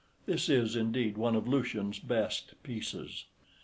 This is, indeed, one of Lucian's best pieces.